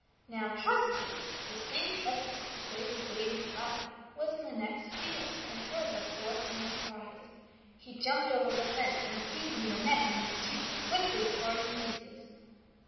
Now Trusty (the same Trusty who saved the baby's life) was in the next field and heard the poor Crane's cries. He jumped over the fence, and seizing the net in his teeth quickly tore it in pieces.